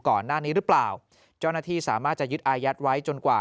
ก่อนหน้านี้หรือเปล่าเจ้าหน้าที่สามารถจะยึดอายัดไว้จนกว่า